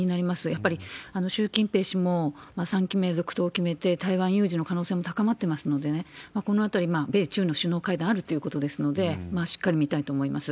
やっぱり習近平氏も３期目続投を決めて、台湾有事の可能性も高まってますのでね、このあたり、米中の首脳会談あるっていうことですので、しっかり見たいと思います。